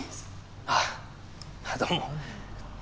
あっどうも。